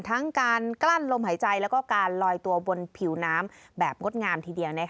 ทั้งการกลั้นลมหายใจแล้วก็การลอยตัวบนผิวน้ำแบบงดงามทีเดียว